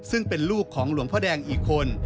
ซึ่งเป็นลูกของหลวงพ่อแดงอีกคน